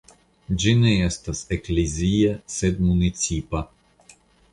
Ĝi ne estas eklezia sed municipa.